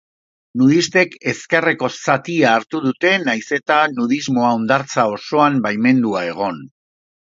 Nudistek ezkerreko zatia hartu dute, nahiz eta nudismoa hondartza osoan baimendua egon.